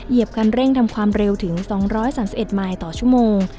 คันเร่งทำความเร็วถึง๒๓๑มายต่อชั่วโมง